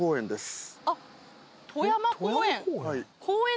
戸山公園。